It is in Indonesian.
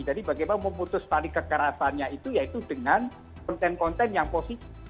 jadi bagaimana memutuskan kekerasannya itu yaitu dengan konten konten yang positif